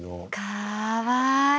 かわいい。